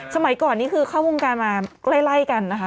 สมัยก่อนนี่คือเข้าวงการมาใกล้กันนะคะ